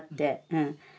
うん。